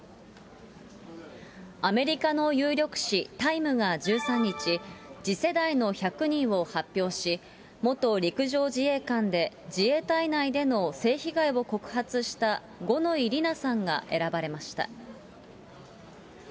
アメリカの有力紙、タイムが１３日、次世代の１００人を発表し、元陸上自衛官で自衛隊内での性被害を告発した五ノ井里奈さんが選ばれました。